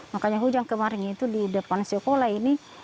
makanya hujan kemarin itu di depan sekolah ini